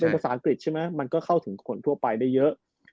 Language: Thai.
เป็นภาษาอังกฤษใช่ไหมมันก็เข้าถึงคนทั่วไปได้เยอะ